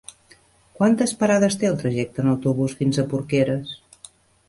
Quantes parades té el trajecte en autobús fins a Porqueres?